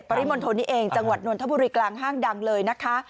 ปริมณฑลนี่เองจังหวัดนทบุรีกลางห้างดังเลยนะคะ